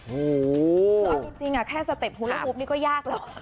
โหจริงอ่ะแค่สเต็ปฮูลาฮูปนี่ก็ยากหรอ